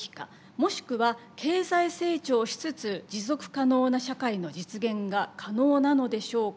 もしくは経済成長しつつ持続可能な社会の実現が可能なのでしょうか？